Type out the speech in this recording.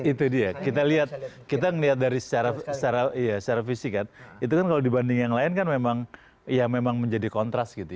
itu dia kita lihat kita melihat dari secara fisik kan itu kan kalau dibanding yang lain kan memang ya memang menjadi kontras gitu ya